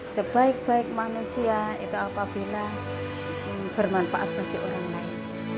sebaik baik manusia itu apabila bermanfaat bagi orang lain